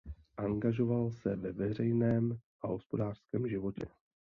Angažoval se ve veřejném a hospodářském životě.